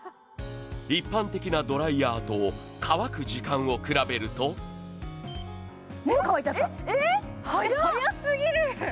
一般的なドライヤーと乾く時間を比べると・もう乾いちゃった・えっ速すぎる！